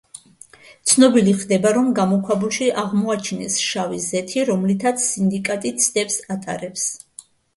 ცნობილი ხდება, რომ გამოქვაბულში აღმოაჩინეს შავი ზეთი, რომლითაც სინდიკატი ცდებს ატარებს.